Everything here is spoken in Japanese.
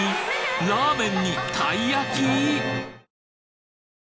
ラーメンにたい焼き？